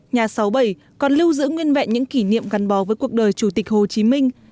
nhà sáu mươi bảy còn lưu giữ nguyên vẹn những kỷ niệm gắn bó với cuộc đời chủ tịch hồ chí minh